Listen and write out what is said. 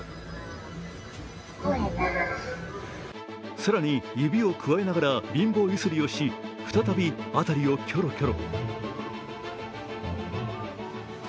更に、指をくわえながら貧乏ゆすりをし、再び辺りをキョロキョロ。